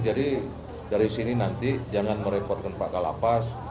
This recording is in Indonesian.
jadi dari sini nanti jangan merepotkan pak kalafas